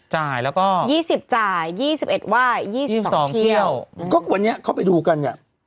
จ่ายแล้วก็ยี่สิบจ่ายยี่สิบเอ็ดไหว้ยี่สิบสองเที่ยวก็วันนี้เขาไปดูกันเนี่ย